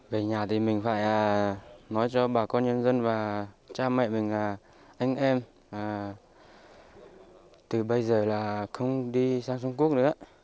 về nhà thì mình phải nói cho bà con nhân dân và cha mẹ mình là anh em từ bây giờ là không đi sang trung quốc nữa